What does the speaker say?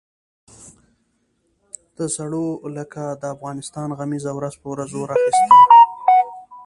د سړو لکه د افغانستان غمیزه ورځ په ورځ زور اخیست.